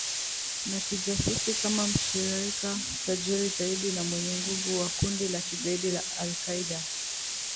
na kijasusi kama mshirika tajiri zaidi na mwenye nguvu wa kundi la kigaidi la al-Qaida